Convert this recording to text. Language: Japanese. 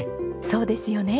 そうですよね。